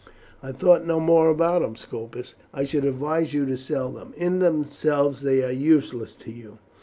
"I thought no more about them, Scopus." "I should advise you to sell them. In themselves they are useless to you.